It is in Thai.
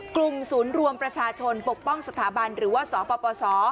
กลุ่มศูนย์รวมประชาชนปกป้องสถาบันหรือว่าสปส